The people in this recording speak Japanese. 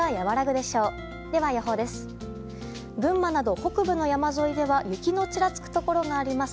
では予報です。